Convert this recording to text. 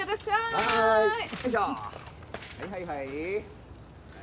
はいはいはいはい。